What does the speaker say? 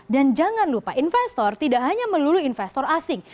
dan jangan lupa investor tidak hanya melulu investor asing